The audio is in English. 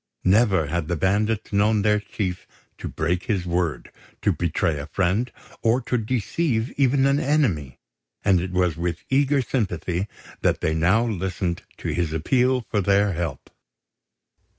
Never had the bandits known their chief to break his word, to betray a friend, or to deceive even an enemy; and it was with eager sympathy that they now listened to his appeal for their help.